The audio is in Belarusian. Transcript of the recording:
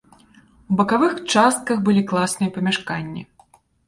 У бакавых частках былі класныя памяшканні.